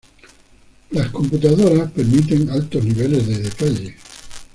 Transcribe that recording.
Las computadoras permiten altos niveles de detalle.